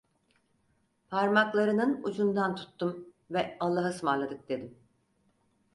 Parmaklarının ucundan tuttum ve Allahaısmarladık dedim.